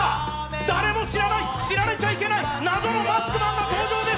誰も知らない、知られちゃいけない謎のマスクマンが登場です。